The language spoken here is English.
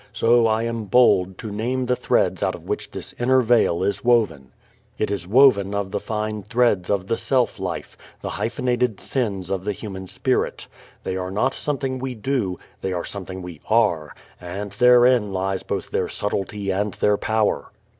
So I am bold to name the threads out of which this inner veil is woven. It is woven of the fine threads of the self life, the hyphenated sins of the human spirit. They are not something we do, they are something we are, and therein lies both their subtlety and their power.